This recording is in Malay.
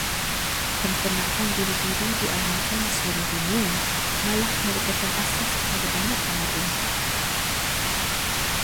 Penternakan biri-biri diamalkan di seluruh dunia, malah merupakan asas kepada banyak tamadun.